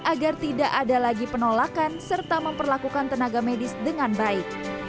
agar tidak ada lagi penolakan serta memperlakukan tenaga medis dengan baik